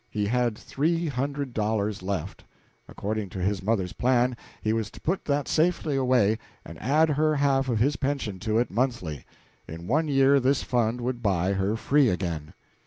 He had three hundred dollars left. According to his mother's plan, he was to put that safely away, and add her half of his pension to it monthly. In one year this fund would buy her free again.